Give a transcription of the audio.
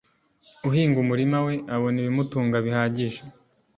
Uhinga umurima we abona ibimutunga bihagije